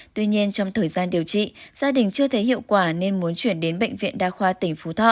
tuy nhiên trong thời gian điều trị gia đình chưa thấy hiệu quả nên muốn chuyển đến bệnh viện đa khoa tỉnh phú thọ